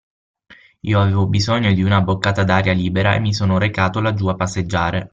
Io avevo bisogno di una boccata d'aria libera e mi sono recato laggiú a passeggiare.